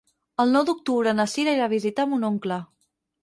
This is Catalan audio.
El nou d'octubre na Sira irà a visitar mon oncle.